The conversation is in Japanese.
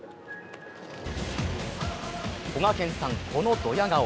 こがけんさん、このどや顔。